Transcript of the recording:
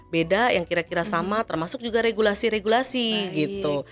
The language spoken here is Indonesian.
beda yang kira kira sama termasuk juga regulasi regulasi gitu